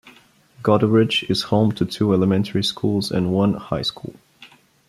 Goderich is home to two elementary schools and one high school.